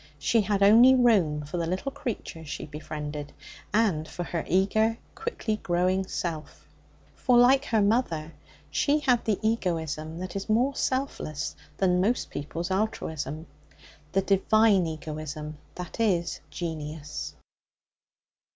She had only room for the little creatures she befriended and for her eager, quickly growing self. For, like her mother, she had the egoism that is more selfless than most people's altruism the divine egoism that is genius.